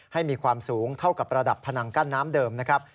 ให้มีความสูงเท่ากับระดับพนังกั้นน้ำเดิมนะครับ